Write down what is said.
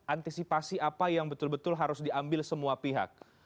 antisipasi apa yang betul betul harus diambil semua pihak